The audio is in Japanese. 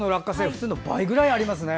普通の倍ぐらいありますね。